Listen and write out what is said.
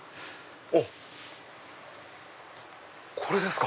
あっこれですか。